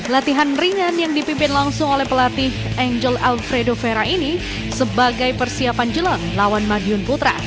latihan ringan yang dipimpin langsung oleh pelatih angel alfredo vera ini sebagai persiapan jelang lawan madiun putra